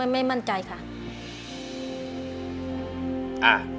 ไม่มั่นใจค่ะ